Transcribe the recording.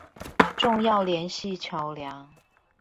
重要聯繫橋梁